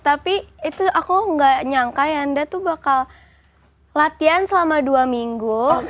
tapi itu aku nggak nyangka ya anda tuh bakal latihan selama dua minggu